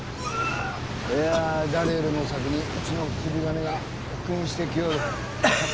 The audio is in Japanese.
いや誰よりも先にうちの釣り鐘が復員してきよる。